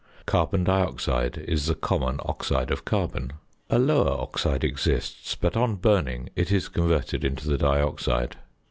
Carbon dioxide is the common oxide of carbon. A lower oxide exists, but on burning it is converted into the dioxide.